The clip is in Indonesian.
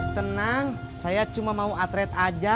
tenang saya cuma mau atlet aja